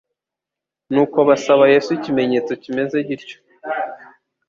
Nuko basaba Yesu ikimenyetso kimeze gityo.